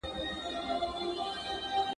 • ازمايښت اول په کال و، اوس په گړي دئ.